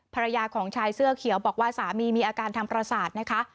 ภรรยาของชายเสื้อเขียวบอกว่าสามีมีอาการทางประสาทนะคะ